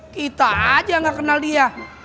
kita aja gak kenal dia